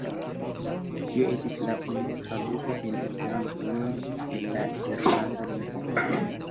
Tio estis la unua traduko en Esperanton el la irlanda lingvo.